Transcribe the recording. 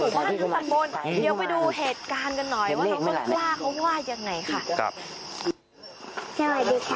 ไม่มีใครอยู่แน่นอนแต่พี่แต่คุณสนใจ